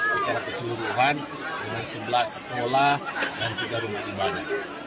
secara keseluruhan dengan sebelas sekolah dan juga rumah ibadah